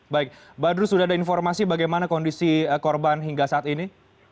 baik badru sudah ada informasi bagaimana kondisi korban hingga saat ini